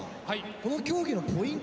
この競技のポイント